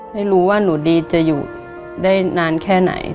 ไม่รู้ว่าหนูดีจะอยู่ได้นานแค่ไหน